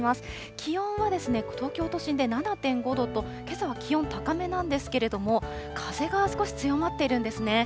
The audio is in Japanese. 気温は東京都心で７．５度と、けさは気温高めなんですけれども、風が少し強まっているんですね。